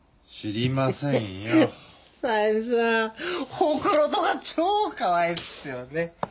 ほくろとか超かわいいっすよね。